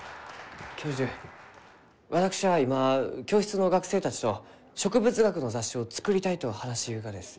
教授私は今教室の学生たちと植物学の雑誌を作りたいと話しゆうがです。